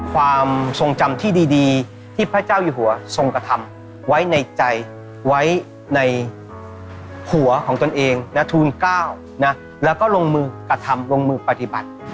ความทรงจำที่ดีที่พระเจ้าอยู่หัวทรงกระทำไว้ในใจไว้ในหัวของตนเองและทูล๙นะแล้วก็ลงมือกระทำลงมือปฏิบัติ